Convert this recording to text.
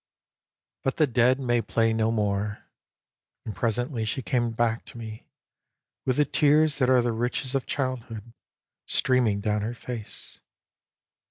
But the dead may play no more, and presently she came back to me with the tears that are the riches of childhood streaming down her face.